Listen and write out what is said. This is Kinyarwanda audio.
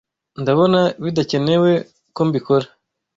Ndabona bidakenewe ko mbikora